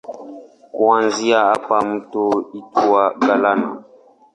Kuanzia hapa mto huitwa Galana.